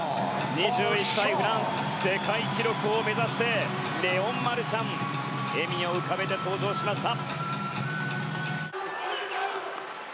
２１歳、フランス世界記録を目指してレオン・マルシャン笑みを浮かべて登場しました。